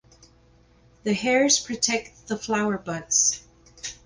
The hairs protect the flower buds.